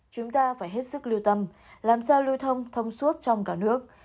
chúng ta phải hết sức lưu tâm làm sao lưu thông thông suốt trong cả nước